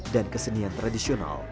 dan kesenian tradisional